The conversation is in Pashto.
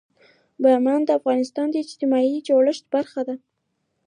بامیان د افغانستان د اجتماعي جوړښت برخه ده.